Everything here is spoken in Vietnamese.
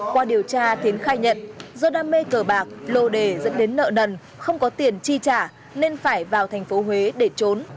qua điều tra tiến khai nhận do đam mê cờ bạc lô đề dẫn đến nợ nần không có tiền chi trả nên phải vào thành phố huế để trốn